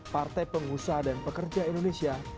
partai pengusaha dan pekerja indonesia